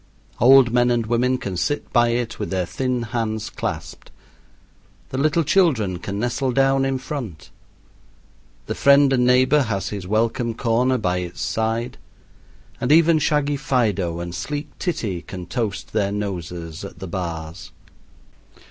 Old men and women can sit by it with their thin hands clasped, the little children can nestle down in front, the friend and neighbor has his welcome corner by its side, and even shaggy Fido and sleek Titty can toast their noses at the bars.